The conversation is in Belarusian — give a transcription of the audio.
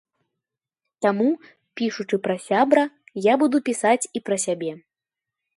Таму, пішучы пра сябра, я буду пісаць і пра сябе.